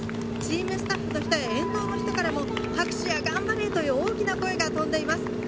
チームスタッフの１人、沿道の人からも拍手や頑張れという大きな声が飛んでいます。